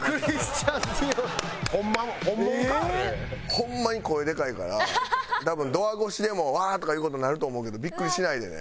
ホンマに声でかいから多分ドア越しでも「うわー！」とか言う事になると思うけどビックリしないでね。